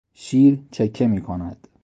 شیر چکه میکند.